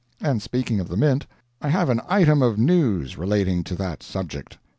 And speaking of the mint, I have an item of news relating to that subject.